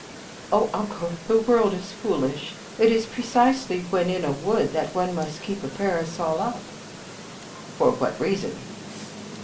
" O uncle, the world is foolish. It is precisely when in a wood that one must keep a parasol up." " For what reason